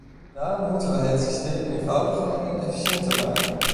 Daarom moesten wij het systeem eenvoudiger en efficiënter maken.